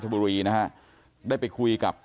ไม่มีหัวครับ